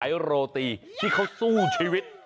โรตีที่เขาสู้ชีวิต